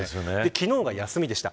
昨日は休みでした。